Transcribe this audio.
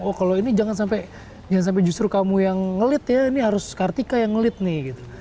oh kalau ini jangan sampai justru kamu yang ngelit ya ini harus kartika yang ngelit nih gitu